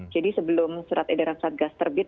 jadi sebelum surat edaran saat gas terbit